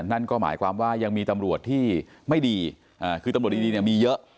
นั่นก็หมายความว่ายังมีตำรวจที่ไม่ดีคือตำรวจดีเนี่ยมีเยอะ